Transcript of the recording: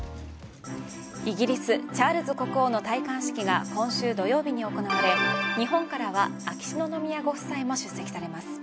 イギリス、チャールズ国王の戴冠式が今週土曜日に行われ日本からは、秋篠宮ご夫妻も出席されます。